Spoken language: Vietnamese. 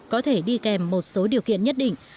có thể đi kèm một số điều kiện nhất định